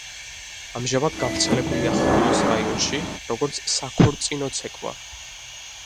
ამჟამად გავრცელებულია ხულოს რაიონში, როგორც საქორწინო ცეკვა.